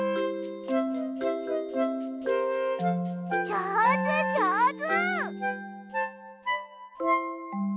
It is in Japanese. じょうずじょうず！